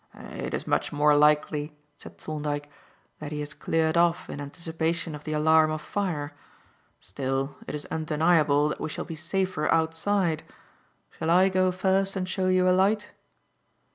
"It is much more likely," said Thorndyke, "that he has cleared off in anticipation of the alarm of fire. Still, it is undeniable that we shall be safer outside. Shall I go first and show you a light?"